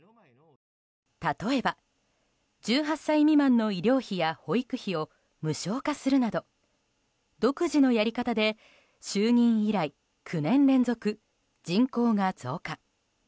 例えば１８歳未満の医療費や保育費を無償化するなど独自のやり方で就任以来９年連続、人口が増加。